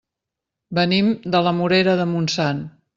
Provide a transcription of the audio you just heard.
Venim de la Morera de Montsant.